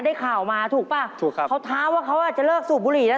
ได้ข่าวมาถูกป่ะเขาท้าว่าเขาจะเลิกสูบบุหรี่ได้